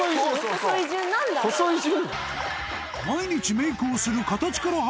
細い順？